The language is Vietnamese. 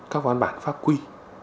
các văn bản pháp quy